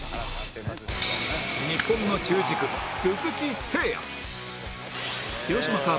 日本の中軸鈴木誠也